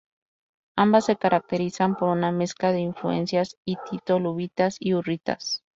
Ambas se caracterizan por una mezcla de influencias hitito-luvitas y hurritas.